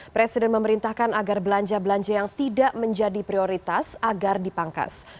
presiden memerintahkan agar belanja belanja yang tidak menjadi prioritas agar dipangkas